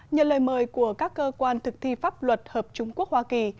nhờ lời mời của các cơ quan thực thi pháp luật hợp trung quốc hoa kỳ